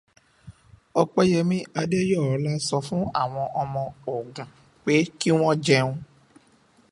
Ọpẹ́yẹmí Adéyọ̀ọ́lá sọ fún àwọn ọmọ Ògùn pé kí wọ́n jẹun.